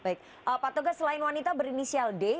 baik pak toga selain wanita berinisial d yang diberikan narkotika